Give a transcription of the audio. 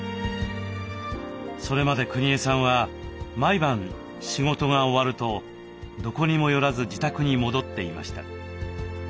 それまでくにえさんは毎晩仕事が終わるとどこにも寄らず自宅に戻っていました。